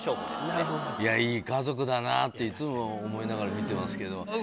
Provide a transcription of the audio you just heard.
いい家族だなっていつも思いながら見てますけど。